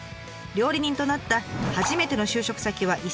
料理人となった初めての就職先は石垣島。